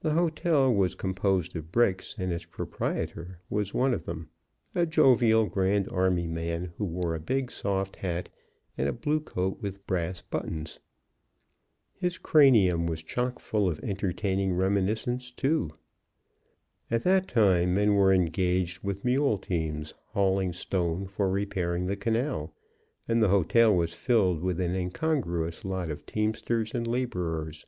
The hotel was composed of bricks, and its proprietor was one of them: a jovial Grand Army man who wore a big soft hat, and a blue coat with brass buttons. His cranium was chock full of entertaining reminiscence, too. At that time, men were engaged with mule teams hauling stone for repairing the canal, and the hotel was filled with an incongruous lot of teamsters and laborers.